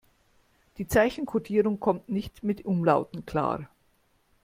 Die Zeichenkodierung kommt nicht mit Umlauten klar.